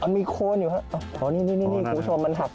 มีโคนอยู่ครับอ๋อนี่คุณผู้ชมมันหัก